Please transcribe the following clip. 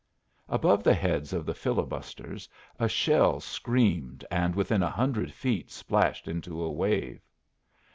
Above the heads of the filibusters a shell screamed and within a hundred feet splashed into a wave.